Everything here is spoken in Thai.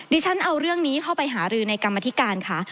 ดิฉันเอาเรื่องนี้เข้าไปหารือในกรรมธิการค่ะ